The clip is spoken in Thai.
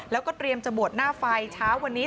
แล้วก็เตรียมจะบวชหน้าไฟเช้าวันนี้